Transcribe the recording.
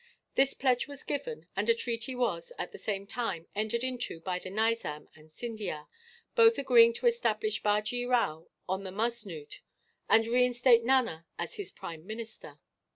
This pledge was given; and a treaty was, at the same time, entered into by the Nizam and Scindia, both agreeing to establish Bajee Rao on the musnud, and reinstate Nana as his prime minister.